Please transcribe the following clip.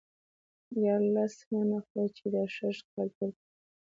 ياره لس منه خو يې دا سږ کال ټول کړي.